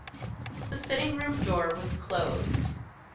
The sitting room door was closed.